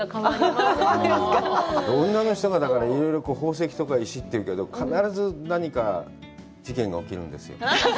女の人がいろいろ宝石とか石って言うけど、必ず何か事件が起きるんですよ。